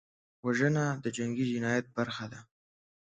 وژنه د جنګي جنایت برخه ده